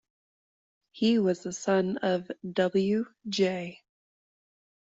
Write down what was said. He was the son of W. J.